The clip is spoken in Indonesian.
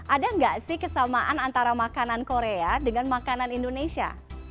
ada nggak sih kesamaan antara makanan korea dengan makanan indonesia